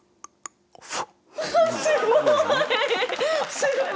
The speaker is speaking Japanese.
すごい！